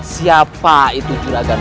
siapa itu curagan